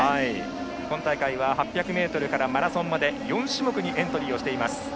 今大会は８００ｍからマラソンまで４種目にエントリーしています。